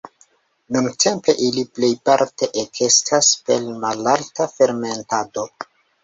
Nuntempe ili plejparte ekestas per malalta fermentado.